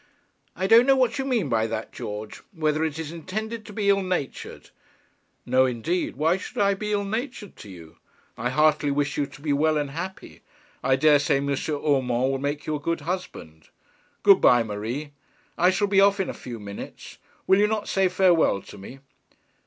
'I don't know what you mean by that, George; whether it is intended to be ill natured.' 'No, indeed. Why should I be ill natured to you? I heartily wish you to be well and happy. I daresay M. Urmand will make you a good husband. Good bye, Marie. I shall be off in a few minutes. Will you not say farewell to me?'